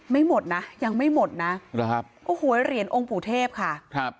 ไม่หมดนะยังไม่หมดนะโอ้โหเหรียญองค์ปู่เทพค่ะครับ